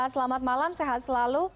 selamat malam sehat selalu